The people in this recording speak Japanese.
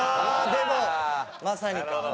でもまさにか。